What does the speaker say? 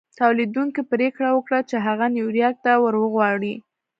توليدوونکي پرېکړه وکړه چې هغه نيويارک ته ور وغواړي.